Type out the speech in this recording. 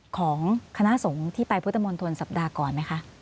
ของคณะสงฆ์ที่ไปพุทธมนตรสัปดาห์ก่อนไหมคะ